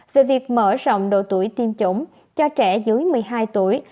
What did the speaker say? về việc mở rộng độ tuổi tiêm chủng cho trẻ dưới một mươi hai tuổi